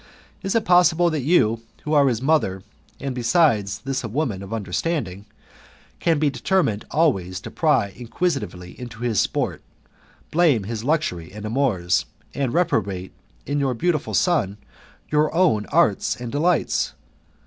Is it possible, that you, who are his mother, and besides this a woman of understanding, can be determined always to pry inquisitively into his sport, blame his luxury and amours, and reprobate, in your beautiful son, your own arts and delights?